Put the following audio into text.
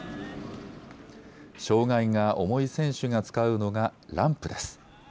障害が重い選手が使うのがランプです。